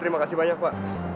terima kasih banyak pak